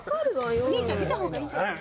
お兄ちゃん見た方がいいんじゃない？